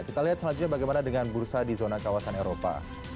kita lihat selanjutnya bagaimana dengan bursa di zona kawasan eropa